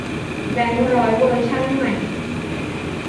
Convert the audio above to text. แบงก์ร้อยเวอร์ชันใหม่